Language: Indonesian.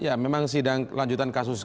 ya memang sidang lanjutan kasus